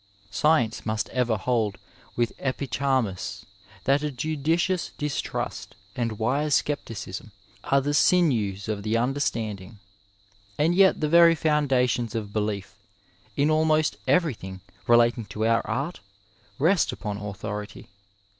Science must ever hold with Epicharmus that a judicious distrost and wise scepticism are the sinews of the understanding. And yet the very foundations of belief in almost everything relating to our art rest upon authority.